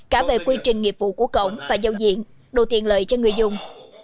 cả về quy trình nghiệp vụ của cổng và giao diện đồ tiện lợi cho người dùng